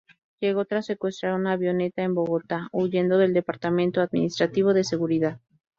Llegó tras secuestrar una avioneta en Bogotá, huyendo del Departamento Administrativo de Seguridad.